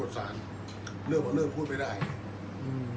อันไหนที่มันไม่จริงแล้วอาจารย์อยากพูด